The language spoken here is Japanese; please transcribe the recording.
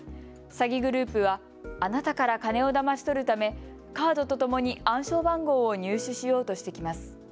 詐欺グループはあなたから金をだまし取るためカードとともに暗証番号を入手しようとしてきます。